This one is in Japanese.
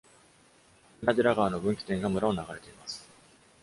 ウナディラ川の分岐点が村を流れています。